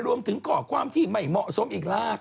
รวมถึงข้อความที่ไม่เหมาะสมอีกลาก